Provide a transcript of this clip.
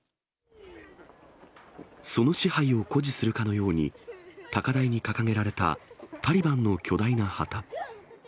その支配を誇示するかのように、高台に掲げられたタリバンの巨大な旗。